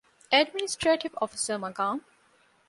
އެޑްމިނިސްޓްރޭޓިވް އޮފިސަރ މަޤާމު